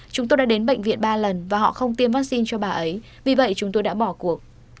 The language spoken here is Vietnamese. chúng tôi đã đến bệnh viện ba lần và họ không tiêm vaccine cho bà ấy vì vậy chúng tôi đã bỏ cuộc